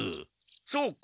そうか。